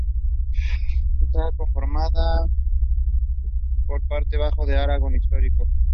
Esta comarca forma parte del Bajo Aragón Histórico.